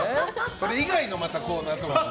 それ以外のコーナーとかで。